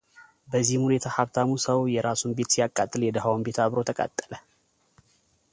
በዚህም ሁኔታ ሃብታሙ ሰው የራሱን ቤት ሲያቃጥል የድሃውም ቤት አብሮ ተቃጠለ።